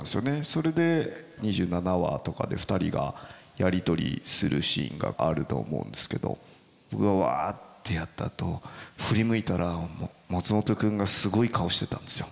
それで２７話とかで２人がやり取りするシーンがあると思うんですけど僕がわあってやったあと振り向いたら松本君がすごい顔してたんですよ。